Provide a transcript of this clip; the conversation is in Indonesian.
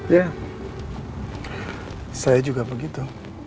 ya saya juga begitu